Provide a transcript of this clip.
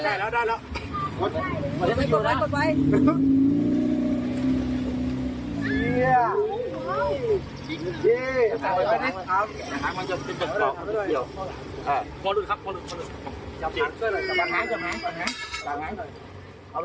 เออได้แล้ว